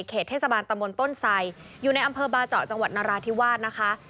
เทศบาลตำบลต้นไสอยู่ในอำเภอบาเจาะจังหวัดนราธิวาสนะคะ